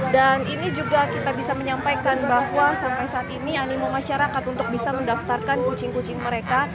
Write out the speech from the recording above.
dan ini juga kita bisa menyampaikan bahwa sampai saat ini animo masyarakat untuk bisa mendaftarkan kucing kucing mereka